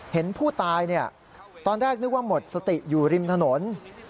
เห็นผู้ตายตอนแรกนึกว่าหมดสติอยู่ริมถนน